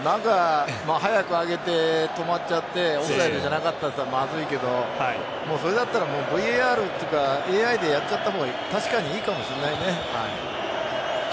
早く上げて止まっちゃってオフサイドじゃなかったといったらまずいけどそれだったらＶＡＲとかＡＩでやっちゃった方が確かにいいかもしれないね。